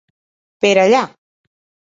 Per Allà!